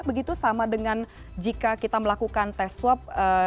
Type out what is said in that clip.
begitu sama dengan jika kita melakukan tes swab